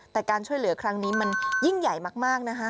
แต่การช่วยเหลือครั้งนี้มันยิ่งใหญ่มากนะคะ